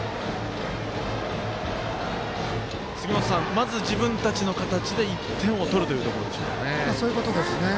杉本さん、自分たちの形で１点を取るということでしょうね。